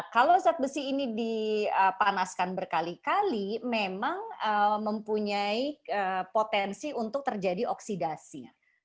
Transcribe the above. kalau zat besi ini dipanaskan berkali kali memang mempunyai potensi untuk terjadi oksidasi